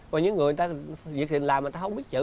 còn những người người ta dự định làm người ta không biết chữ